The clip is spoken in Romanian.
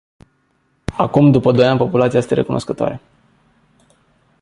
Acum, după doi ani, populația este recunoscătoare.